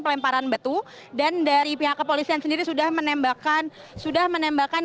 pelemparan batu dan dari pihak kepolisian sendiri sudah menembakkan sudah menembakkan